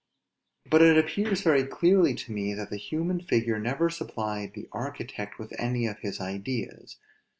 But it appears very clearly to me that the human figure never supplied the architect with any of his ideas.